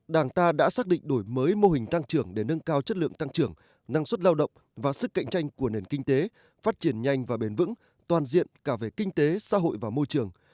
đảng ta đã xác định đổi mới mô hình tăng trưởng để nâng cao chất lượng tăng trưởng năng suất lao động và sức cạnh tranh của nền kinh tế phát triển nhanh và bền vững toàn diện cả về kinh tế xã hội và môi trường